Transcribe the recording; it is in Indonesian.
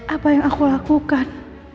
apa yang aku lakukan